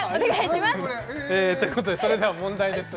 えということでそれでは問題です